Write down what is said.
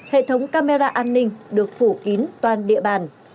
hệ thống camera an ninh được phủ kín toàn địa bàn